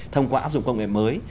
thông qua áp dụng công nghệ mới